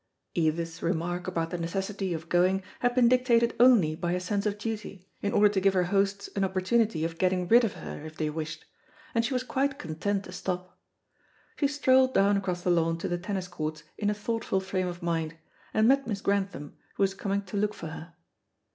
Edith's remark about the necessity of going had been dictated only by a sense of duty, in order to give her hosts an opportunity of getting rid of her if they wished, and she was quite content to stop. She strolled down across the lawn to the tennis courts in a thoughtful frame of mind, and met Miss Grantham, who was coming to look for her.